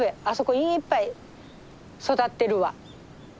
あそこいっぱい育ってるわ。